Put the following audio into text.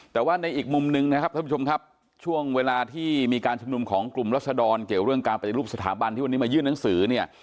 แต่ว่าในอีกมุมนึงนะครับท่านผู้ชมครับช่วงเวลาที่มีการชุมนุมของกลุ่มรัศดรเกี่ยวเรื่องการปฏิรูปสถาบันที่วันนี้มายื่นหนังสือเนี่ย